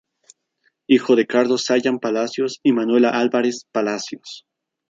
Hijo de Carlos Sayán Palacios y Manuela Álvarez Palacios.